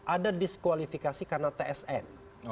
ada diskualifikasi karena tsm